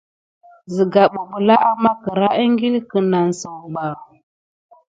Sigan bibilà amà kera akulin kunane zukuɓa.